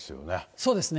そうですね。